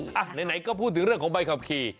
ไหนก็พูดถึงเรื่องของใบขับขี่